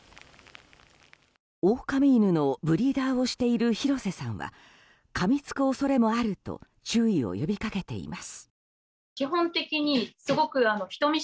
オオカミ犬のブリーダーをしている広瀬さんはかみつく恐れもあると注意を呼びかけています。